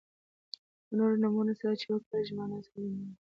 له نورو نومونو سره چې وکاریږي معنا څرګندوي.